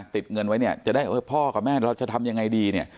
ติดเงินไว้จะได้พ่อกับแม่จะทำยังไงดี